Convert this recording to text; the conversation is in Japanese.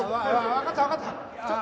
わかったわかった。